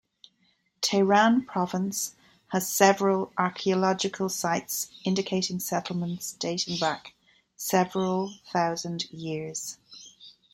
Tehran Province has several archaeological sites indicating settlements dating back several thousand years.